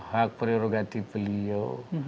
hak prerogatif beliau